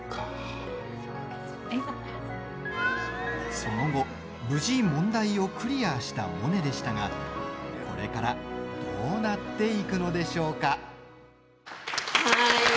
その後、無事問題をクリアしたモネでしたが、これからどうなっていくのでしょうか？